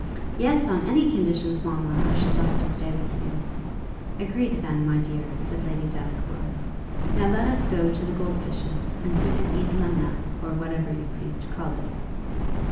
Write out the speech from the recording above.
"Yes. On any conditions, mamma, I should like to stay with you." "Agreed, then, my dear!" said Lady Delacour. "Now let us go to the gold fishes, and see them eat lemna, or whatever you please to call it."